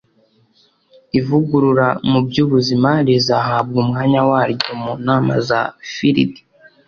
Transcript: ivugurura mu by'ubuzima rizahabwa umwanya waryo mu nama za filidi